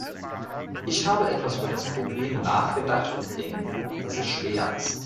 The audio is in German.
Ich habe etwas über das Problem nachgedacht und denke, dass es schwer ist.